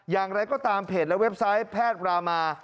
อย่างไรก็ตามเพจและเว็บไซต์แพทย์รามา